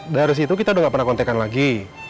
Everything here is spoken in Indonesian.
dari situ kita udah gak pernah kontekan lagi